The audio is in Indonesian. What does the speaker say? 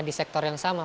di sektor yang sama